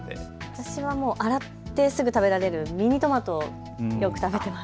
私は洗ってすぐ食べられるミニトマトをよく食べています。